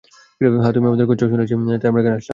হ্যাঁ তুমি আমাদের খুঁজছো শুনেছি, তাই আমরা এখানে আসলাম।